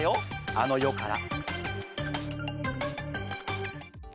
あの世から。